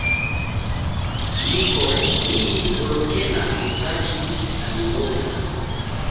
Yikwo, iyi holokela mukachi kamingonga.